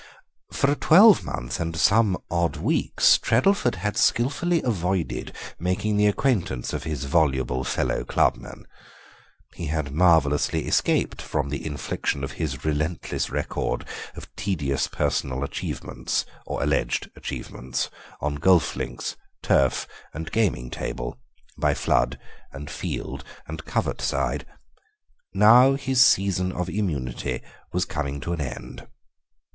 For a twelvemonth and some odd weeks Treddleford had skilfully avoided making the acquaintance of his voluble fellow clubman; he had marvellously escaped from the infliction of his relentless record of tedious personal achievements, or alleged achievements, on golf links, turf, and gaming table, by flood and field and covert side. Now his season of immunity was coming to an end.